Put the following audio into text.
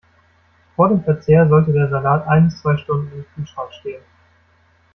Vor dem Verzehr sollte der Salat ein bis zwei Stunden im Kühlschrank stehen.